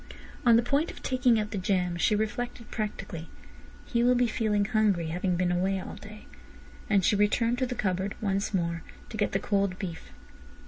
On the point of taking out the jam, she reflected practically: "He will be feeling hungry, having been away all day," and she returned to the cupboard once more to get the cold beef.